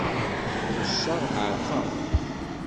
Ḥusseɣ εerqeɣ.